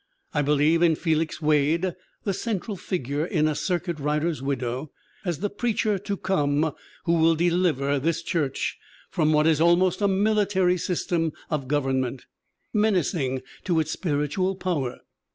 I believe in Felix Wade [the central figure in A Circuit Rider's Widow] as the preacher to come who will deliver this CORRA HARRIS 161 church from what is almost a military system of gov ernment, menacing to its spiritual power.